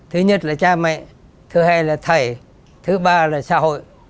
thứ nhất là cha mẹ thứ hai là thầy thứ ba là xã hội